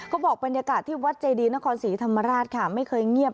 บอกบรรยากาศที่วัดเจดีนครศรีธรรมราชค่ะไม่เคยเงียบ